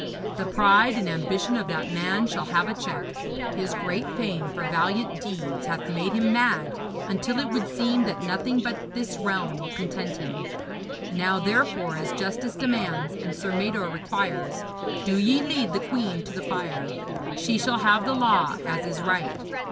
The pride and ambition of that man shall have a check. His great fame for valiant deeds hath made him mad, until it would seem that nothing but this realm will content him. Now, therefore, as justice demands, and Sir Mador requires, do ye lead the queen to the fire. She shall have the law as is right.